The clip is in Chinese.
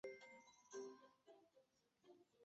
砂石狸藻为狸藻属小型一年生陆生食虫植物。